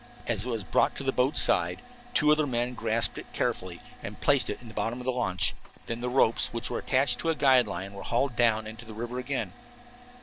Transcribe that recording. As it was brought to the boat's side two other men grasped it carefully and placed it in the bottom of the launch. Then the ropes, which were attached to a guide line, were hauled down into the river again.